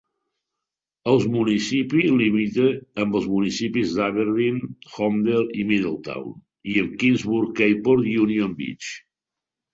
Els municipi limita amb els municipis d'Aberdeen, Holmdel i Middletown i amb Keansburg, Keyport i Union Beach.